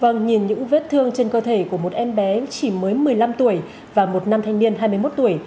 vâng nhìn những vết thương trên cơ thể của một em bé chỉ mới một mươi năm tuổi và một nam thanh niên hai mươi một tuổi